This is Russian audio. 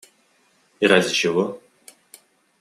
И ради чего?